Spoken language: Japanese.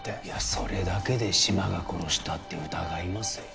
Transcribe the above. いやそれだけで「志摩が殺した」って疑います？